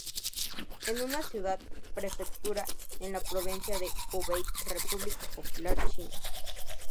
Es una ciudad-prefectura en la provincia de Hubei, República Popular China.